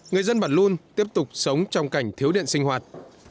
người dân bản luôn tiếp tục sống trong cảnh thiếu điện sinh hoạt